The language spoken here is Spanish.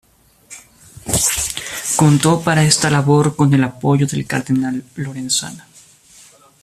Contó para esta labor con el apoyo del cardenal Lorenzana.